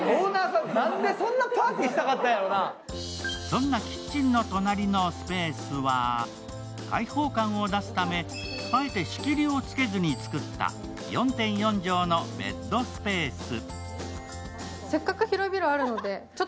そんなキッチンの隣のスペースは開放感を出すため、あえて仕切りをつけずにつくった４．４畳のベッドスペース。